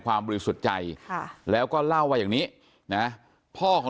บริสุทธิ์ใจค่ะแล้วก็เล่าว่าอย่างนี้นะพ่อของ